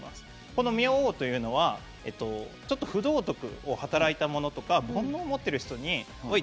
この明王というのは不道徳を働いたものとか煩悩を持っている人におい！